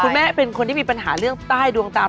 แม่เป็นคนที่มีปัญหาเรื่องใต้ดวงตา